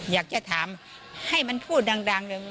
อยากจะถามให้มันพูดดังเลย